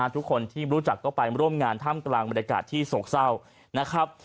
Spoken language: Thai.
ทุกคนที่รู้จักที่จะไปร่วมงานท่ำกลางบริการที่โศกเศร้า